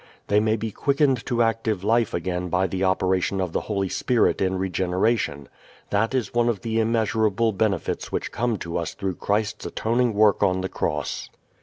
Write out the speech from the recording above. They may be quickened to active life again by the operation of the Holy Spirit in regeneration; that is one of the immeasurable benefits which come to us through Christ's atoning work on the cross.